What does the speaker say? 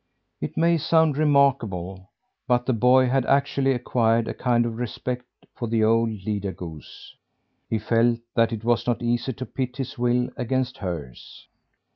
It may sound remarkable but the boy had actually acquired a kind of respect for the old leader goose. He felt that it was not easy to pit his will against hers.